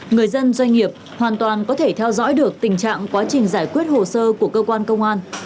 người dân doanh nghiệp hoàn toàn có thể theo dõi được tình trạng quá trình giải quyết hồ sơ của cơ quan công an